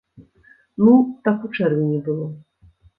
Ну, так у чэрвені было.